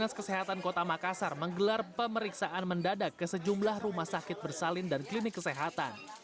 dinas kesehatan kota makassar menggelar pemeriksaan mendadak ke sejumlah rumah sakit bersalin dan klinik kesehatan